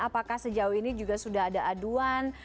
apakah sejauh ini juga sudah ada aduan